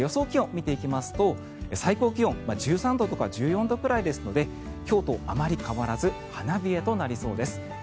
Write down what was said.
気温を見ていきますと最高気温１３度とか１４度くらいですので今日とあまり変わらず花冷えとなりそうです。